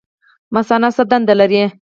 مثانه څه دنده لري؟